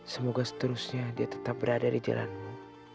semoga seterusnya dia tetap berada di jalanmu